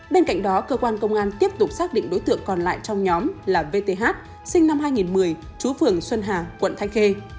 bên cạnh đó cơ quan công an tiếp tục xác định đối tượng còn lại trong nhóm là vth sinh năm hai nghìn một mươi chú phường xuân hà quận thanh khê